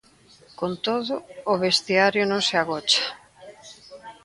Con todo, o vestiario non se agocha.